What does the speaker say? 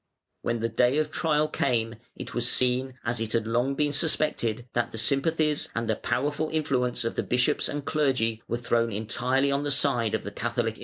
When the day of trial came, it was seen, as it had long been suspected, that the sympathies and the powerful influence of the bishops and clergy were thrown entirely on the side of the Catholic invader.